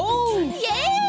イエイ！